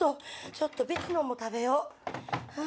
ちょっと別のも食べよう。